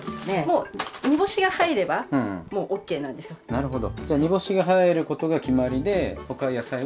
なるほど。